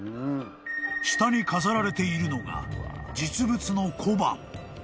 ［下に飾られているのが実物の小判］